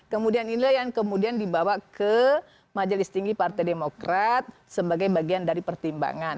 kemudian inilah yang kemudian dibawa ke majelis tinggi partai demokrat sebagai bagian dari pertimbangan